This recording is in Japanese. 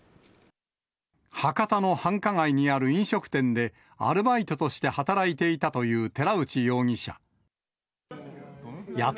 博多の繁華街にある飲食店でアルバイトとして働いていたという寺内容疑者。